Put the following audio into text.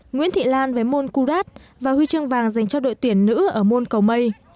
nguyễn thị lan với môn kurad và huy chương vàng dành cho đội tuyển nữ ở môn cầu mây